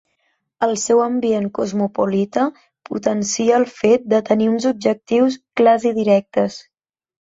El seu ambient cosmopolita potencia el fet de tenir uns objectius clars i directes.